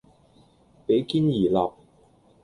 比肩而立